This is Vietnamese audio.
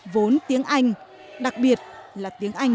vốn tiếng anh đặc biệt là tiếng anh